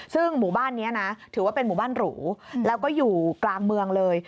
ซึ่งหมู่บ้านนี้นะถือว่าเป็นหมู่บ้านหรูแล้วก็อยู่กลางเมืองเลย